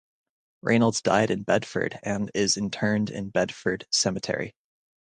Reynolds died in Bedford and is interred in Bedford Cemetery.